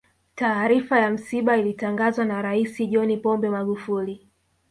taarifa ya msiba ilitangazwa na rais john pombe magufuli